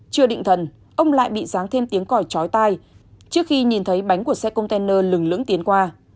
chưa định thần ông lại bị dáng thêm tiếng còi trói tay trước khi nhìn thấy bánh của xe container lừng lưỡng tiến qua